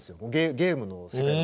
ゲームの世界を。